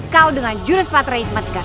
kau dengan jurus patriot matiga ke sepuluh